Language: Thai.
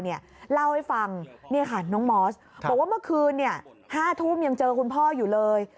เล่าให้ฟังนี่ค่ะน้องมอสบอกว่าเมื่อคืน๕ทุ่มยังเจอคุณพ่ออยู่เลย